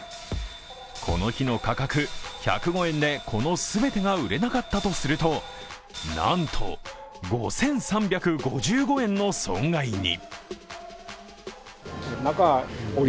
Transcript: この日の価格、１０５円でこの全てが売れなかったとするとなんと５３５５円の損害に！